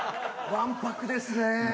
わんぱくですねえ。